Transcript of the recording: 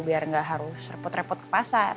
biar nggak harus repot repot ke pasar